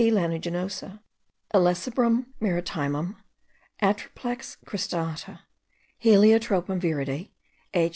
lanuginosa, Illecebrum maritimum, Atriplex cristata, Heliotropium viride, H.